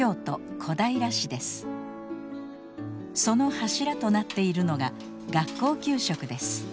その柱となっているのが学校給食です。